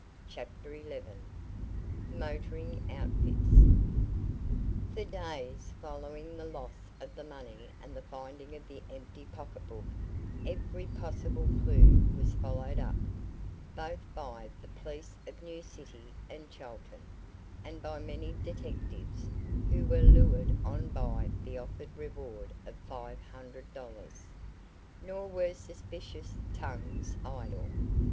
CHAPTER XI MOTORING OUTFITS For days following the loss of the money and the finding of the empty pocketbook every possible clue was followed up, both by the police of New City and Chelton, and by many detectives, who were lured on by the offered reward of five hundred dollars. Nor were suspicious tongues idle.